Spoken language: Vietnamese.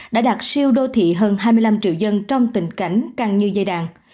đã đạt siêu đô thị hơn hai mươi năm triệu dân trong tình cảnh căng như dây đàn